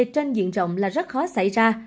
trên diện rộng là rất khó xảy ra